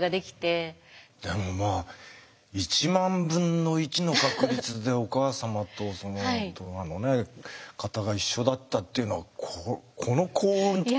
でもまあ１万分の１の確率でお母様とドナーの型が一緒だったっていうのはこの幸運はすごいですね。